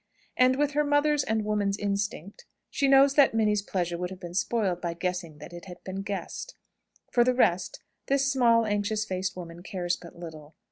And, with her mother's and woman's instinct, she knows that Minnie's pleasure would have been spoiled by guessing that it had been guessed. For the rest, this small anxious faced woman cares but little.